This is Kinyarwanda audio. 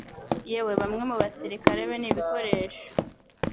yewe bamwe mu basirikare be n'ibikoresho